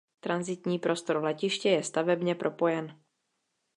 Tranzitní prostor letiště je stavebně propojen.